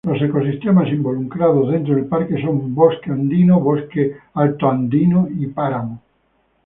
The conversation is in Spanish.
Los ecosistemas involucrados dentro del parque son Bosque andino, bosque altoandino y páramo.